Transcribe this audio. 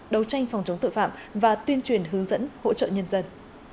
đấu tranh phòng chống tội phạm và tuyên truyền hướng dẫn hỗ trợ nhân dân